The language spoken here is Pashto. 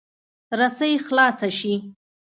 رسۍ خلاصه شي.